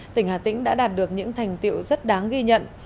tỉnh hà tĩnh đã đạt được những thành tiệu rất đáng ghi nhận